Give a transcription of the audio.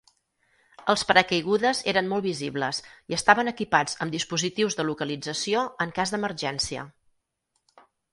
Els paracaigudes eren molt visibles i estaven equipats amb dispositius de localització en cas d'emergència.